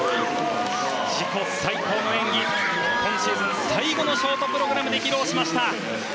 自己最高の演技を今シーズン最後のショートプログラムで披露しました。